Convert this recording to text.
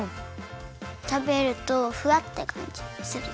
たべるとふわってかんじがする。